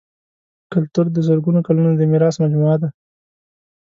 کلتور د زرګونو کلونو د میراث مجموعه ده.